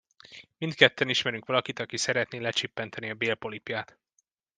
Mindketten ismerünk valakit, aki szeretné lecsippentetni a bélpolipját.